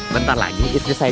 pernah punya kerumunan